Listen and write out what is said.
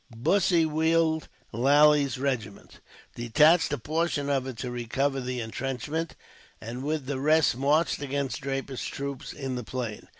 Bussy wheeled Lally's regiment, detached a portion of it to recover the intrenchment, and with the rest marched against Draper's troops in the plain.